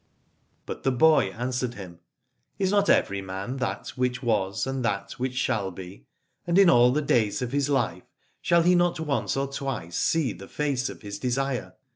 But the boy answered him : Is not every man that which was and that which shall be: and in all the days of his life shall he not once or twice see the face of his desire